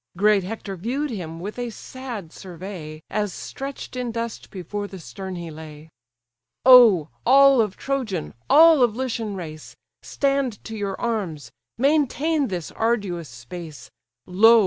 Great Hector view'd him with a sad survey, As stretch'd in dust before the stern he lay. "Oh! all of Trojan, all of Lycian race! Stand to your arms, maintain this arduous space: Lo!